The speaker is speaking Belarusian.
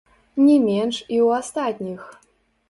Не менш і ў астатніх.